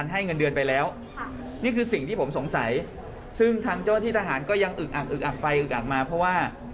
ให้เงินเดือนไปแล้วนี่คือสิ่งที่ผมสงสัยซึ่งทางเจ้าที่ทหารก็ยังอึกอักอึกอักไปอึกอักมาเพราะว่า